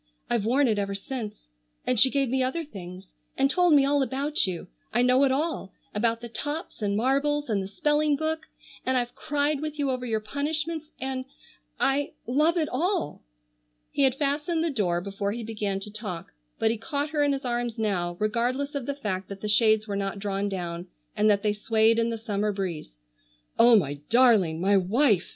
I've worn it ever since. And she gave me other things, and told me all about you. I know it all, about the tops and marbles, and the spelling book, and I've cried with you over your punishments, and—I—love it all!" He had fastened the door before he began to talk, but he caught her in his arms now, regardless of the fact that the shades were not drawn down, and that they swayed in the summer breeze. "Oh, my darling! My wife!"